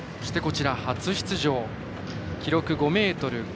初出場、記録５ｍ５０